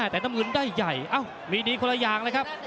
แต่น้ำเงินได้ใหญ่มีดีคนละอย่างเลยครับ